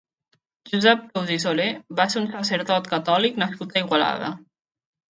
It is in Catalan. Josep Tous i Soler va ser un sacerdot catòlic nascut a Igualada.